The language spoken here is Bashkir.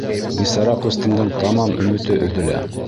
Бисара ҡустымдың тамам өмөтө өҙөлә: